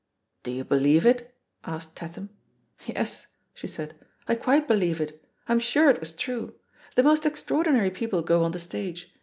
"Do you believe it?" asked Tatham. *'Yes," she said, "I quite believe it; I'm sure it was true. The most extraordinary people go on the stage.